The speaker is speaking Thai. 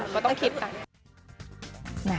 ก็ต้องคิดกัน